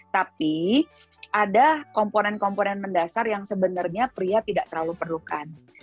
tapi ada komponen komponen mendasar yang sebenarnya pria tidak terlalu perlukan